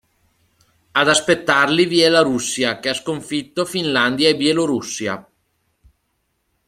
Ad aspettarli vi è la Russia che ha sconfitto Finlandia e Bielorussia.